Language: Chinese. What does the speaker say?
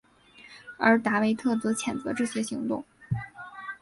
而达维特则谴责这些行动。